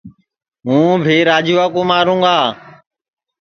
ہوں بھی راجوا کُو ماروں گا